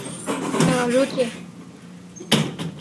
Me ajotiye.